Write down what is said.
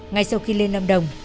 ngay sau khi lên lâm đồng